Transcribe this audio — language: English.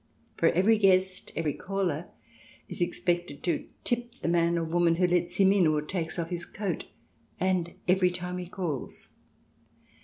For every guest, every caller, is expected to tip the man or woman who lets him in or takes off his coat, and every time he calls.